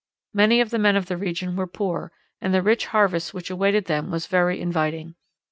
Many of the men of the region were poor, and the rich harvest which awaited them was very inviting.